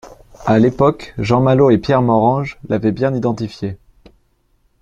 À l’époque, Jean Mallot et Pierre Morange l’avaient bien identifié.